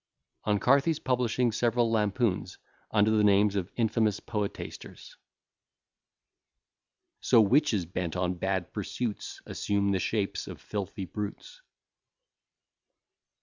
ON CARTHY'S PUBLISHING SEVERAL LAMPOONS, UNDER THE NAMES OF INFAMOUS POETASTERS So witches bent on bad pursuits, Assume the shapes of filthy brutes.